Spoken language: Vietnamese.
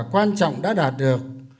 quan trọng đã đạt được